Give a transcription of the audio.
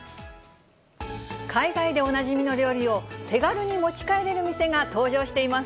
海外でおなじみの料理を、手軽に持ち帰れる店が登場しています。